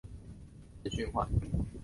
本循环于西班牙格拉诺列尔斯举行。